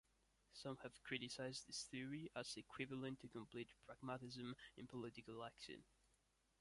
Some have criticized this theory as equivalent to complete pragmatism in political action.